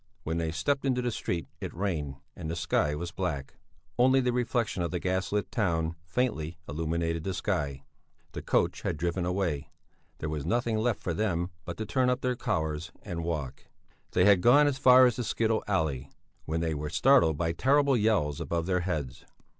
When they stepped into the street it rained and the sky was black; only the reflexion of the gas lit town faintly illuminated the sky. The coach had driven away; there was nothing left for them but to turn up their collars and walk. They had gone as far as the skittle alley, when they were startled by terrible yells above their heads.